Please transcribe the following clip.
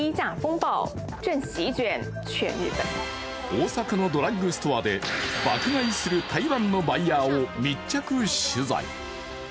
大阪のドラッグストアで爆買いする台湾のバイヤーを密着取材。